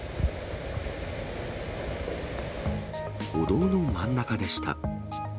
歩道の真ん中でした。